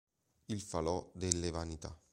Il falò delle vanità